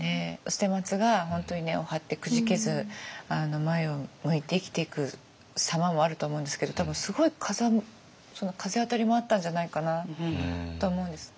捨松が本当に根を張ってくじけず前を向いて生きていく様もあると思うんですけど多分すごい風当たりもあったんじゃないかなと思うんです。